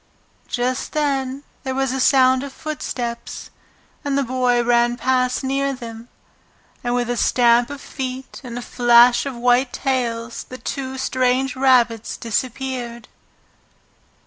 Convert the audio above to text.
Just then there was a sound of footsteps, and the Boy ran past near them, and with a stamp of feet and a flash of white tails the two strange rabbits disappeared.